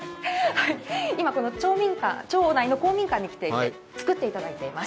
今、この町内の公民館に来て、作っていただいています。